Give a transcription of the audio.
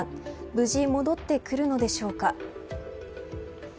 無事、戻ってくるのでしょうか。